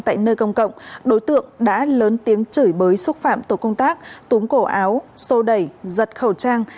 tại nơi công cộng đối tượng đã lớn tiếng chửi bới xúc phạm tổ công tác túm cổ áo xô đẩy giật khẩu trang